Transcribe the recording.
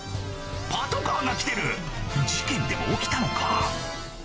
パトカーが来てる事件でも起きたのか？